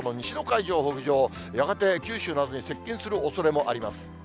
やがて九州などに接近するおそれもあります。